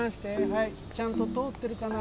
はいちゃんととおってるかな？